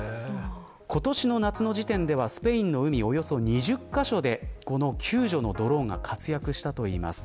今年の夏の時点ではスペインの海、およそ２０カ所でこの救助のドローンが活躍したといいます。